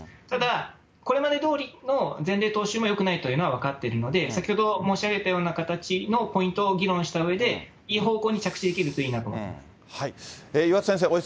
ただ、これまでどおりの前例踏襲もよくないというのは分かっているので、先ほど申し上げたような形のポイントを議論したうえで、いい方向に着地できるといいなと思います。